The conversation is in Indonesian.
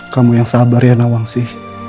kamu yang sabar ya nawangsi